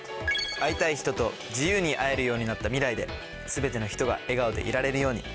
会いたい人と自由に会えるようになった未来で全ての人が笑顔でいられるように。